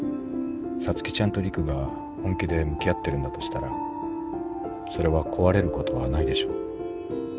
皐月ちゃんと陸が本気で向き合ってるんだとしたらそれは壊れることはないでしょ。